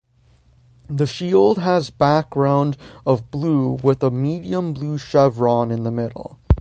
The shield has background of blue with a medium blue chevron in the middle.